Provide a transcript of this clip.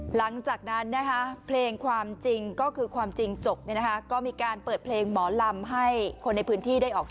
หลังจากนั้นนะคะเพลงความจริงก็คือความจริงจบก็มีการเปิดเพลงหมอลำให้คนในพื้นที่ได้ออก